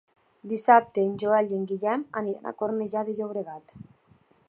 Dissabte en Joel i en Guillem iran a Cornellà de Llobregat.